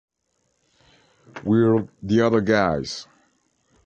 We're the other guys!